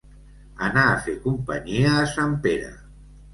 Anar a fer companyia a sant Pere.